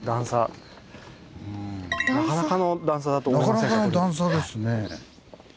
なかなかの段差ですね。